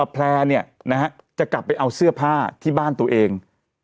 แพร่จะกลับไปเอาเสื้อผ้าที่บ้านตัวเอง